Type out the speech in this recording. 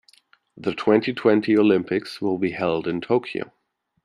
The twenty-twenty Olympics will be held in Tokyo.